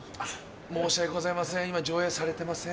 申し訳ございません